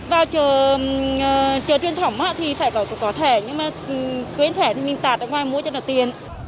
vào chợ truyền thống thì phải gọi cục có thẻ nhưng mà quên thẻ thì mình tạt ở ngoài mua cho là tiền